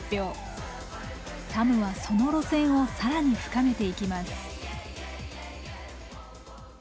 ＳＡＭはその路線を更に深めていきます。